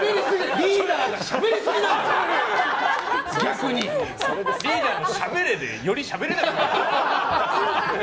リーダーのしゃべれでよりしゃべれなくなる。